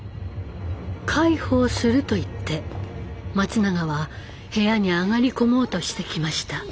「介抱する」と言って松永は部屋に上がり込もうとしてきました。